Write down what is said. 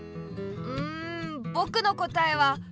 んぼくのこたえは。